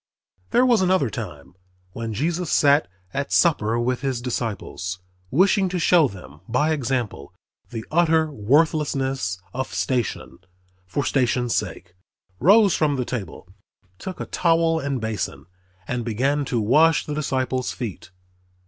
There was another time, when Jesus sat at supper with his disciples, wishing to show them, by example, the utter worthlessness of station, for station's sake, rose from the table, took a towel and basin, and began to wash the disciples' feet.